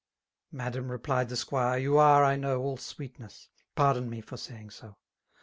*''' Madam>" replied the squire, '* you are^ I know> '* All 8weetness* « pardon me for saying so.